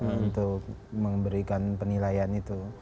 untuk memberikan penilaian itu